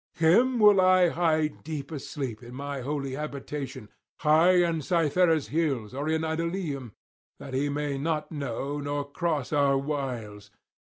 Him will I hide deep asleep in my holy habitation, high on Cythera's hills or in Idalium, that he may not know nor cross our wiles.